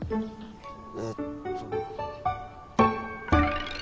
えっと。